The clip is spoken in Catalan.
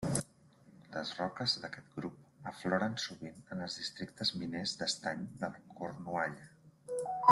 Les roques d'aquest grup afloren sovint en els districtes miners d'estany de la Cornualla.